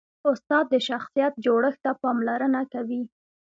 استاد د شخصیت جوړښت ته پاملرنه کوي.